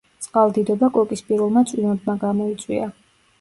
წყალდიდობა კოკისპირულმა წვიმებმა გამოიწვია.